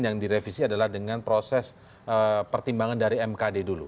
yang direvisi adalah dengan proses pertimbangan dari mkd dulu